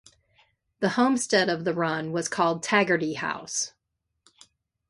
The homestead of the run was called Taggerty House.